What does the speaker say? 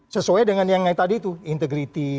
sesuai dengan yang tadi itu integrity